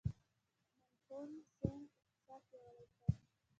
منموهن سینګ اقتصاد پیاوړی کړ.